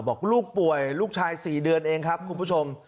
บอกลูกป่วยลูกชาย๔เดือนเองครับคุณผู้ชม